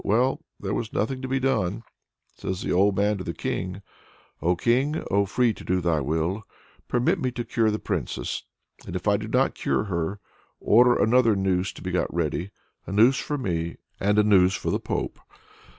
Well, there was nothing to be done! Says the old man to the King: "O King! O free to do thy will! Permit me to cure the Princess. And if I do not cure her, order another noose to be got ready. A noose for me, and a noose for the Pope!"